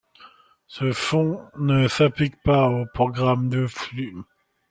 Ce fond ne s'applique pas aux programmes de flux.